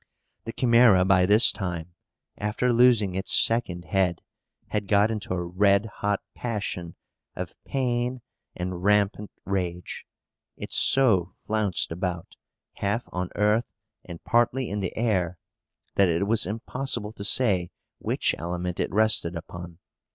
The Chimæra, by this time, after losing its second head, had got into a red hot passion of pain and rampant rage. It so flounced about, half on earth and partly in the air, that it was impossible to say which element it rested upon.